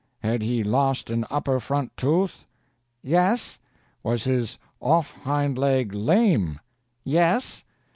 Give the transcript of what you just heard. "Had he lost an upper front tooth?" "Yes." "Was his off hind leg lame?" "Yes."